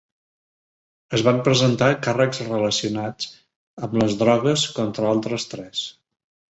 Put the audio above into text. Es van presentar càrrecs relacionats amb les drogues contra altres tres.